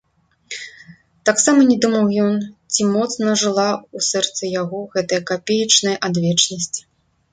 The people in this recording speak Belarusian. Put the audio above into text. Таксама не думаў ён, ці моцна жыла ў сэрцы яго гэтая капеечная адвечнасць.